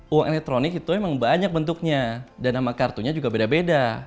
uang elektronik itu memang banyak bentuknya dan nama kartunya juga beda beda